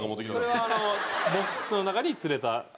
それはボックスの中に釣れた。